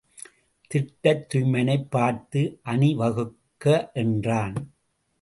திட்டத் துய்மனைப் பார்த்து அணி வகுக்க என்றான்.